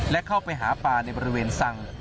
และเข้าไปหาปลาในบริเวณสัง